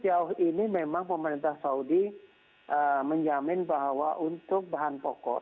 jadi sejauh ini memang pemerintah saudi menjamin bahwa untuk bahan pokok